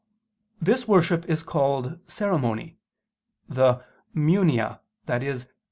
This worship is called "ceremony," the munia, i.e.